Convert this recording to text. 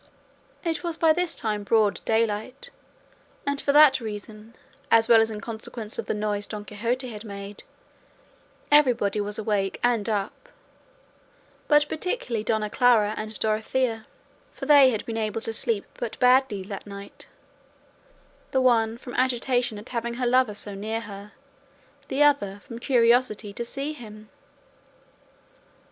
It was by this time broad daylight; and for that reason, as well as in consequence of the noise Don Quixote had made, everybody was awake and up, but particularly Dona Clara and Dorothea; for they had been able to sleep but badly that night, the one from agitation at having her lover so near her, the other from curiosity to see him.